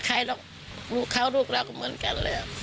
คิดสม่าถึงทุกคราวเนี่ย